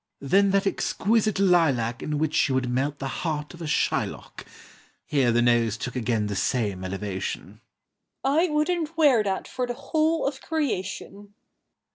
"Then that exquisite lilac In which you would melt the heart of a Shylock" (Here the nose took again the same elevation) "I wouldn't wear that for the whole of creation."